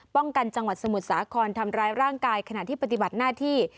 จังหวัดสมุทรสาครทำร้ายร่างกายขณะที่ปฏิบัติหน้าที่